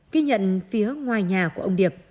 khi nhận phía ngoài nhà của ông điệp